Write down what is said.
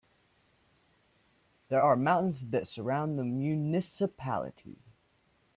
There are mountains that surround the municipality.